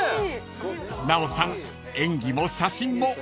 ［奈緒さん演技も写真もうまい］